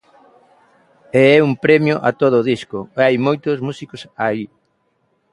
E é un premio a todo o disco, e hai moitos músicos aí.